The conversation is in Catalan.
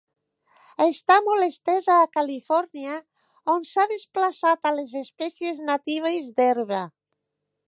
Està molt estesa a Califòrnia, on s'ha desplaçat a les espècies natives d'herba.